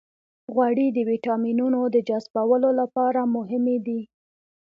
غوړې د ویټامینونو د جذبولو لپاره مهمې دي.